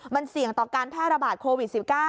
มันเสี่ยงต่อการแพร่ระบาดโควิด๑๙